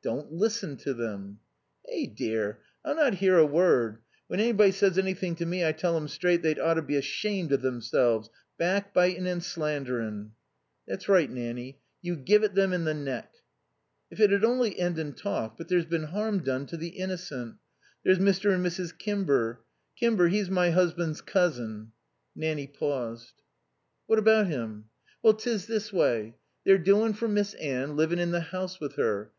"Don't listen to them." "Eh dear, I'll not 'ear a word. When anybody says anything to me I tell 'em straight they'd oughter be ashamed of themselves, back bitin' and slanderin'." "That's right, Nanny, you give it them in the neck." "If it'd only end in talk, but there's been harm done to the innocent. There's Mr. and Mrs. Kimber. Kimber, 'e's my 'usband's cousing." Nanny paused. "What about him?" "Well, 'tis this way. They're doin' for Miss Anne, livin' in the house with her.